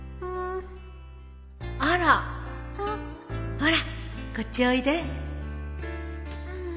ほらこっちおいで